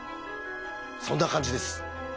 そんな感じです。